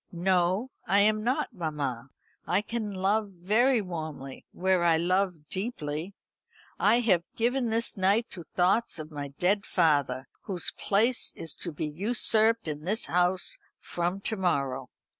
"No, I am not, mamma; I can love very warmly, where I love deeply. I have given this night to thoughts of my dead father, whose place is to be usurped in this house from to morrow."